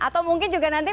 atau mungkin juga nanti